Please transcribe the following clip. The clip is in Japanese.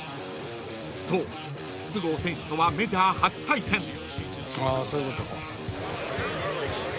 ［そう筒香選手とはメジャー初対戦］